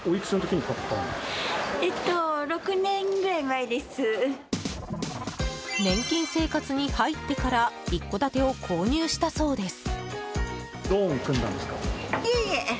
年金生活に入ってから一戸建てを購入したそうです。